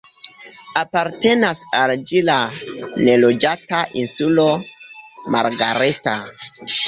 Apartenas al ĝi la neloĝata Insulo Margareta.